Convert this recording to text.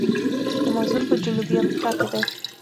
امازون په جنوبي امریکا کې دی.